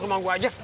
ke rumah gua aja